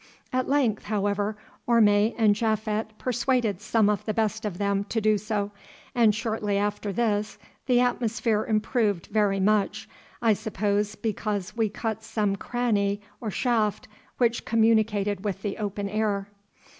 At length, however, Orme and Japhet persuaded some of the best of them to do so, and shortly after this the atmosphere improved very much, I suppose because we cut some cranny or shaft which communicated with the open air.